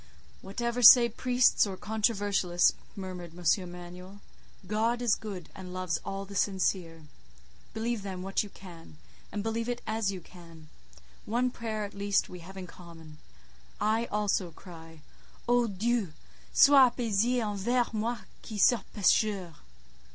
"Whatever say priests or controversialists," murmured M. Emanuel, "God is good, and loves all the sincere. Believe, then, what you can; believe it as you can; one prayer, at least, we have in common; I also cry—'O Dieu, sois appaisé envers moi qui suis pécheur!